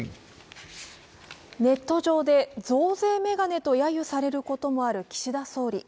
ネット上で増税メガネとやゆされることもある岸田総理。